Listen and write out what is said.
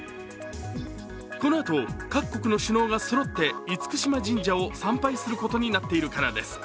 このあと、各国の首脳がそろって厳島神社を参拝することになっているからです。